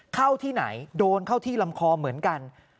เข้าที่ไหนโดนเข้าที่ลำคอเหมือนกัน